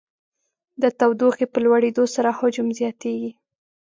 د تودوخې په لوړېدو سره حجم زیاتیږي.